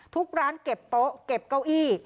ทุกร้านเก็บโต๊ะเก็บเก้าอี้